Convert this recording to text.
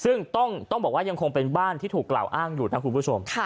ซึ่งต้องบอกว่ายังคงเป็นบ้านที่ถูกกล่าวอ้างอยู่นะคุณผู้ชม